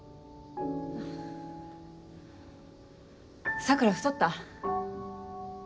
桜太った？